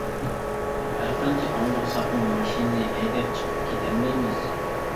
ھەرقانچە ئالدىرىساقمۇ ماشىنىنى ھەيدەپ چىقىپ كېتەلمەيمىز.